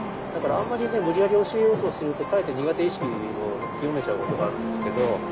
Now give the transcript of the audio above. だからあんまり無理やり教えようとするとかえって苦手意識を強めちゃうことがあるんですけど。